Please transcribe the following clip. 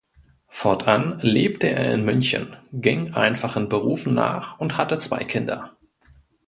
Fortan lebte er in München, ging einfachen Berufen nach und hatte zwei Kinder.